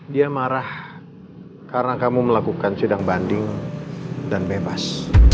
dia marah karena kamu melakukan sidang banding dan bebas